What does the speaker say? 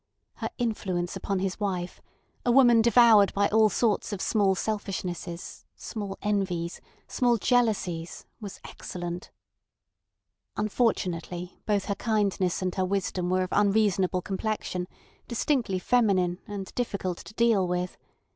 Her influence upon his wife, a woman devoured by all sorts of small selfishnesses, small envies, small jealousies, was excellent. Unfortunately, both her kindness and her wisdom were of unreasonable complexion, distinctly feminine, and difficult to deal with.